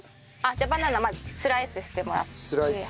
バナナをまずスライスしてもらって。